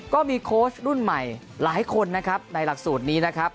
ก็มีโค้ชรุ่นใหม่หลายคนนะครับในหลักสูตรนี้นะครับ